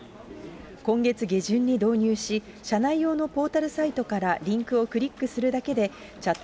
今月下旬に導入し、社内用のポータルサイトからリンクをクリックするだけで、Ｃｈａ